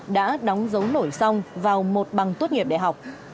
đã đóng dấu nổi xong vào một bằng tốt nghiệp đại học